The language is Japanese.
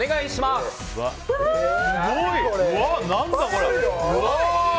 すごい！何だこれ！